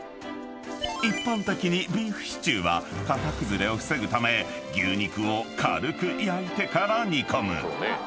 ［一般的にビーフシチューは形崩れを防ぐため牛肉を軽く焼いてから煮込む］